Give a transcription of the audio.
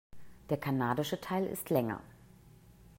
Der kanadische Teil ist länger.